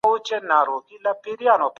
ولسمشر سرحدي شخړه نه پیلوي.